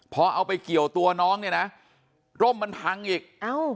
พอเอาไปเกี่ยวตัวน้องเนี่ยนะร่มมันพังอีก